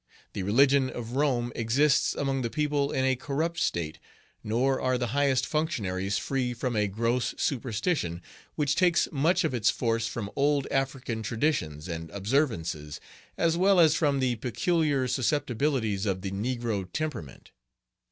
The religion of Rome exists among the people in a corrupt state, nor are the highest functionaries free from a gross superstition, which takes much of its force from old African traditions and observances, as well as from the peculiar susceptibilities of the negro temperament.